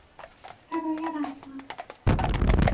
صدای رسا